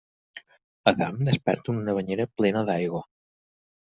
Adam desperta en una banyera plena d'aigua.